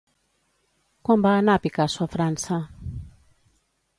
Quan va anar Picasso a França?